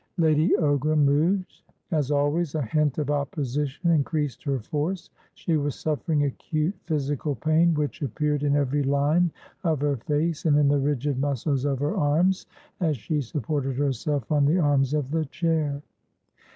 Lady Ogram moved. As always, a hint of opposition increased her force. She was suffering acute physical pain, which appeared in every line of her face, and in the rigid muscles of her arms as she supported herself on the arms of the chair.